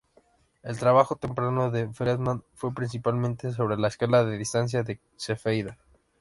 El trabajo temprano de Freedman fue principalmente sobre la escala de distancia de Cefeida.